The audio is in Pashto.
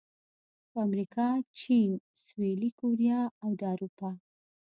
په امریکا، چین، سویلي کوریا او د اروپا